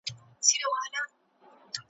خپل ګودر ورته عادت وي ورښودلی `